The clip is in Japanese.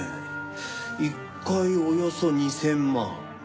一回およそ２０００万。